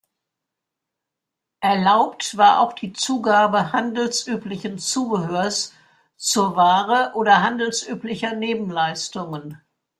Erlaubt war auch die Zugabe handelsüblichen Zubehörs zur Ware oder handelsüblicher Nebenleistungen.